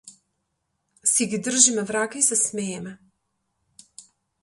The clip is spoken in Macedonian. Си ги држиме в рака и се смееме.